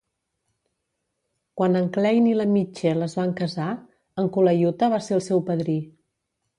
Quan en Klein i la Mitchell es van casar, en Colaiuta va ser el seu padrí.